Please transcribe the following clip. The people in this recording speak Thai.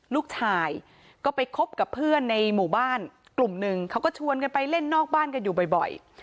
ลูกชายก็ไปคบกับเพื่อนในหมู่บ้านกลุ่มหนึ่งเขาก็ชวนกันไปเล่นนอกบ้านกันอยู่บ่อย